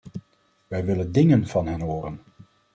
Wij willen dingen van hen horen.